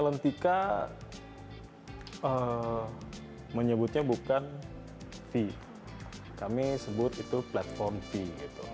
talentika menyebutnya bukan vee kami sebut itu platform vee